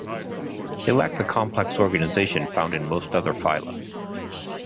They lack the complex organization found in most other phyla.